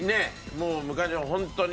もう昔はホントに。